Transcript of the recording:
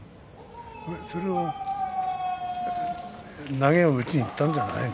それで投げを打ちにいったんじゃないの？